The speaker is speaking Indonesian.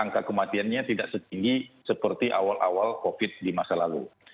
angka kematiannya tidak setinggi seperti awal awal covid di masa lalu